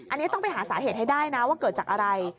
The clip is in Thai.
อันนี้ต้องไปหาสาเหตุให้ได้นะว่าเกิดจากอะไร